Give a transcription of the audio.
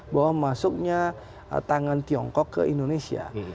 bahwa masuknya tangan tiongkok ke indonesia